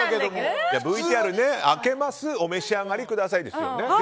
ＶＴＲ明けますお召し上がりくださいですよ。